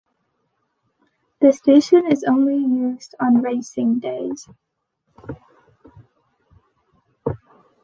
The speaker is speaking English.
The station is only used on racing days.